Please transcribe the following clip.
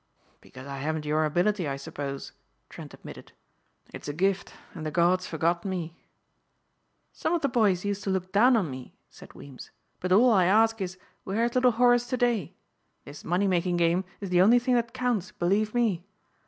"Because I haven't your ability, I suppose," Trent admitted. "It's a gift and the gods forgot me." "Some of the boys used to look down on me," said Weems, "but all I ask is 'where is little Horace to day?' This money making game is the only thing that counts, believe me.